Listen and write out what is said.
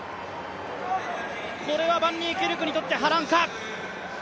これはバンニーキルクにとって波乱か。